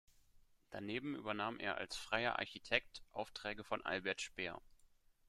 Daneben übernahm er als freier Architekt Aufträge von Albert Speer.